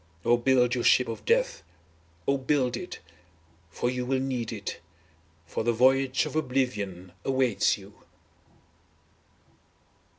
Oh build your ship of death. Oh build it! for you will need it. For the voyage of oblivion awaits you.